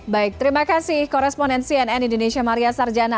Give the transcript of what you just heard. baik terima kasih koresponen cnn indonesia maria sarjana